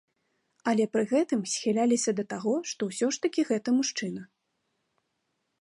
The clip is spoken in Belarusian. Але пры гэтым схіляліся да таго, што ўсё ж такі гэта мужчына.